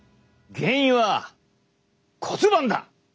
原因は骨盤だ！